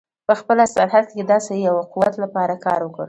په خپله سرحد کې د داسې یوه قوت لپاره کار وکړو.